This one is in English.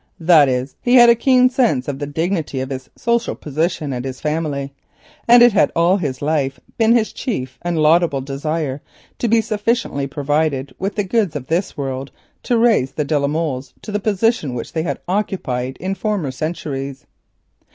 That is, he had a keen sense of the dignity of his social position and his family, and it had all his life been his chief and laudable desire to be sufficiently provided with the goods of this world to raise the de la Molles to the position which they had occupied in former centuries.